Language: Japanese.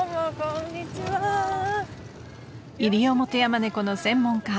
［イリオモテヤマネコの専門家